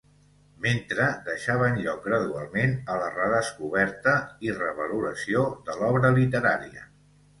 mentre deixaven lloc gradualment a la redescoberta i revaloració de l'obra literària